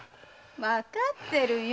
わかってるよ。